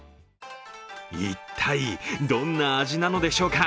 一体、どんな味なのでしょうか。